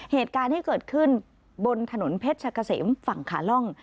เหตุการณ์ที่เกิดขึ้นบนถนนเพชรกะเสมฝั่งขาล่อง